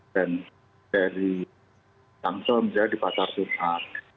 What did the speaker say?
dan dari langsung bisa dipasar surat